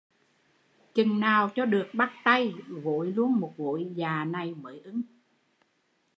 Chừng nào cho được bắt tay, gối luôn một gối dạ này mới ưng